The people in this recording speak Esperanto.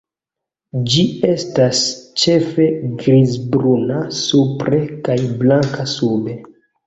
Ĝi estas ĉefe grizbruna supre kaj blanka sube.